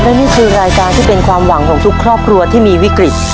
และนี่คือรายการที่เป็นความหวังของทุกครอบครัวที่มีวิกฤต